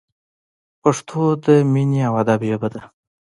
پښتو د مینې او ادب ژبه ده!